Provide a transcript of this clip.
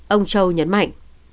ông châu nhấn mạnh